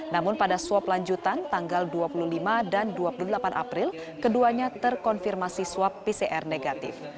namun pada swab lanjutan tanggal dua puluh lima dan dua puluh delapan april keduanya terkonfirmasi swab pcr negatif